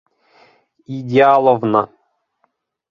Идеаловна...